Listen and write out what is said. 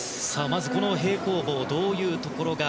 まず、この平行棒どういうところが